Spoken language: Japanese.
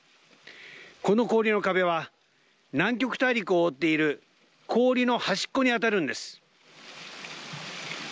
この氷の壁は南極大陸を覆っている氷の端っこに当たるんです。